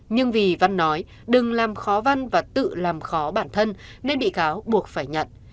nhưng vì văn nói đừng làm khó văn và tự làm khó bản thân nên bị cáo buộc phải nhận